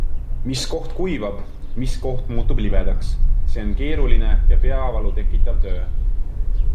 Mis koht kuivab, mis koht muutub libedaks - see on keeruliine ja peavalu tekitav töö.